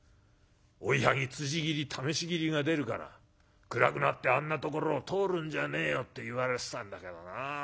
『追い剥ぎつじ斬り試し斬りが出るから暗くなってあんなところを通るんじゃねえよ』って言われてたんだけどな。